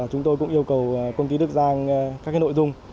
chúng tôi cũng yêu cầu công ty đức giang các nội dung